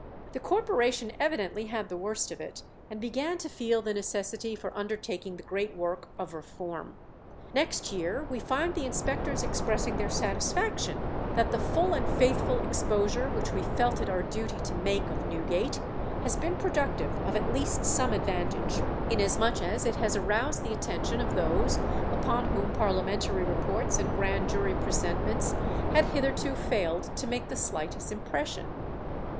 The corporation evidently had the worst of it, and began to feel the necessity for undertaking the great work of reform. Next year we find the inspectors expressing their satisfaction that "the full and faithful exposure which we felt it our duty to make of Newgate has been productive of at least some advantage, inasmuch as it has aroused the attention of those upon whom parliamentary reports and grand jury presentments had hitherto failed to make the slightest impression."